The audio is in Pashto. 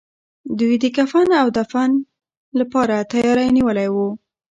دوی د کفن او دفن لپاره تياری نيولی و.